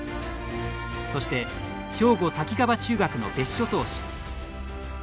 そして兵庫・滝川中学の別所投手。